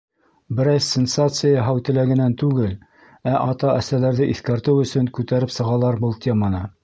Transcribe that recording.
Берәй сенсация яһау теләгенән түгел, ә ата-әсәләрҙе иҫкәртеү өсөн күтәреп сығалар был теманы.